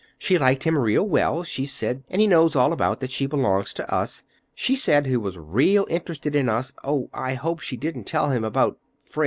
"She liked him real well, she said and he knows all about that she belongs to us. She said he was real interested in us. Oh, I hope she didn't tell him about—Fred!"